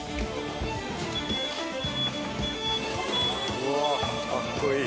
うわあかっこいい！